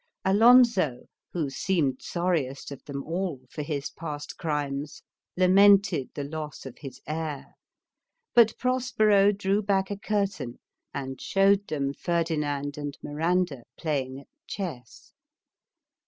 Alonso, who seemed sorriest of them all for his past crimes, lamented the loss of his heir. But Prospero drew back a curtain and showed them Ferdinand and Miranda playing at chess.